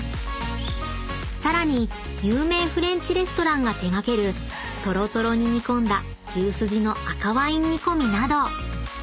［さらに有名フレンチレストランが手掛けるトロトロに煮込んだ牛スジの赤ワイン煮込みなど］